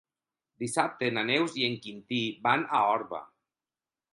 Dissabte na Neus i en Quintí van a Orba.